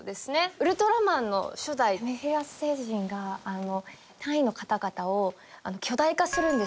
『ウルトラマン』の初代メフィラス星人が隊員の方々を巨大化するんですよ。